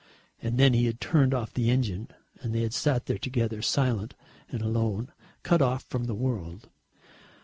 And then he had turned off the engine and they had sat there together silent and alone, cut off from the world.